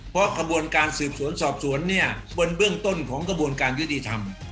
เพราะกระบวนการสืบสวนสอบสวนเนี่ยบนเบื้องต้นของกระบวนการยุติธรรม